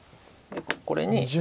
これに。